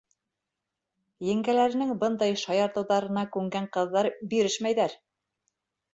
Еңгәләренең бындай шаяртыуҙарына күнгән ҡыҙҙар бирешмәйҙәр.